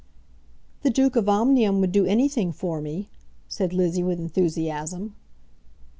"The Duke of Omnium would do anything for me," said Lizzie with enthusiasm.